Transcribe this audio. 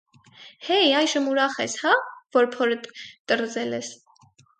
- Հե՛յ, այժմ ուրախ ես, հա՞, որ փորդ տռզել ես…